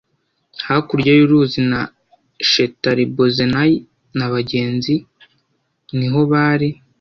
hakurya y uruzi na Shetaribozenayi na bagenzi niho bari